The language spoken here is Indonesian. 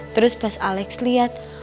terus pas alex lihat